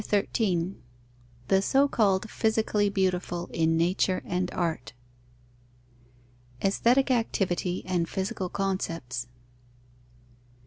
XIII THE SO CALLED PHYSICALLY BEAUTIFUL IN NATURE AND ART _Aesthetic activity and physical concepts.